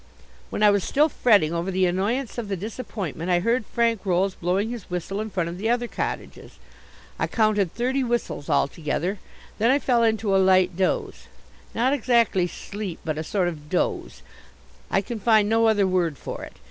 When I was still fretting over the annoyance of the disappointment I heard Frank Rolls blowing his whistle in front of the other cottages. I counted thirty whistles altogether. Then I fell into a light doze not exactly sleep, but a sort of doze I can find no other word for it.